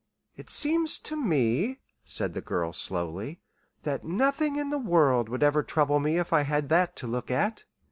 "It seems to me," said the girl, slowly, "that nothing in the world would ever trouble me if I had that to look at."